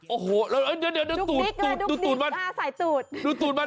โอ้โหเดี๋ยวดูตูดมัน